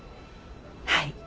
はい。